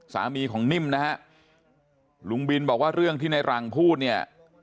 สามีของนิ่มนะฮะลุงบินบอกว่าเรื่องที่ในหลังพูดเนี่ย